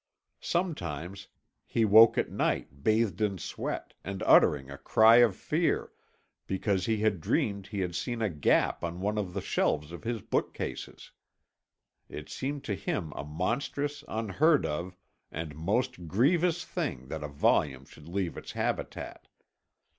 Sometimes he woke at night bathed in sweat, and uttering a cry of fear, because he had dreamed he had seen a gap on one of the shelves of his bookcases. It seemed to him a monstrous, unheard of, and most grievous thing that a volume should leave its habitat.